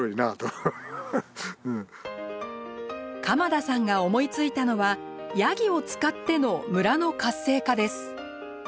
鎌田さんが思いついたのはヤギを使っての村の活性化です。